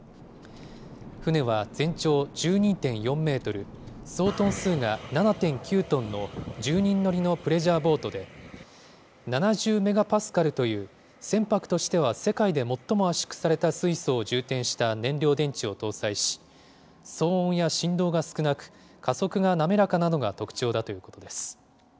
船は全長１２．４メートル、総トン数が７．９トンの１０人乗りのプレジャーボートで、７０メガパスカルという船舶としては世界で最も圧縮された水素を充填した燃料電池を搭載し、騒音や振動が少なく、加速がなめらかなのが特徴だということです。